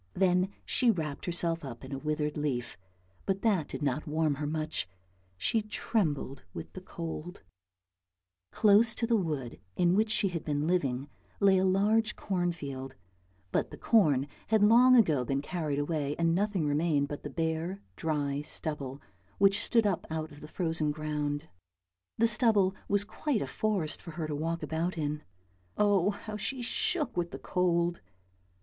Then she wrapped herself up in a withered leaf, but that did not warm her much, she trembled with the cold. 72 ANDERSEN'S FAIRY TALES Close to the wood in which she had been living lay a large cornfield, but the corn had long ago been carried away and nothing remained but the bare, dry, stubble which stood up out of the frozen ground. The stubble was quite a forest for her to walk about in: oh, how she shook with the cold.